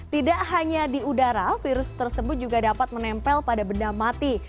tidak hanya di udara virus tersebut juga dapat menempel pada benda mati